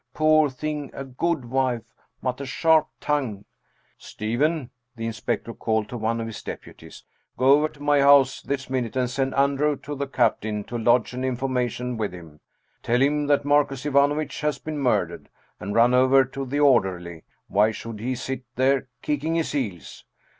Poor thing, a good wife, but a sharp tongue ! Stephen !" the inspector called to one of his deputies, " go over to my house this minute, and send Andrew to the captain to lodge an information with him! Tell him that Marcus Ivanovitch has been murdered. And run over to the or derly; why should he sit there, kicking his heels?